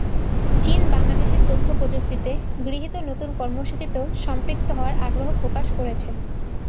চীন বাংলাদেশের তথ্যপ্রযুক্তিতে গৃহীত নতুন কর্মসূচিতেও সম্পৃক্ত হওয়ার আগ্রহ প্রকাশ করেছে।